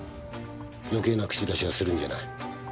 余計な口出しはするんじゃない。